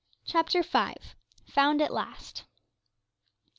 CHAPTER V. FOUND AT LAST.